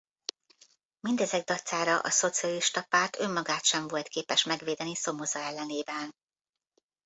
Mindezek dacára a Szocialista Párt önmagát sem volt képes megvédeni Somoza ellenében.